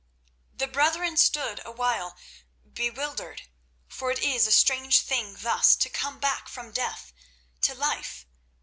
The brethren stood awhile bewildered, for it is a strange thing thus to come back from death to life.